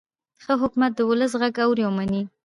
ښه حکومت د ولس غږ اوري او مني.